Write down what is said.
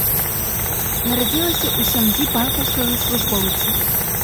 Нарадзілася ў сям'і банкаўскага службоўца.